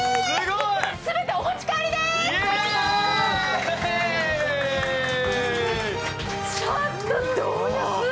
全てお持ち帰りです！